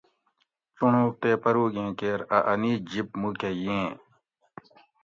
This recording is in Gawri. چُنڑوگ تے پروگیں کیر ا انیج جِب موکہ ییں